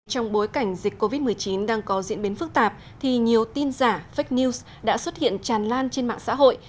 trong bối cảnh dịch covid một mươi chín đang có diễn biến phức tạp thì nhiều tin giả fake news đã xuất hiện tràn lan trên mạng xã hội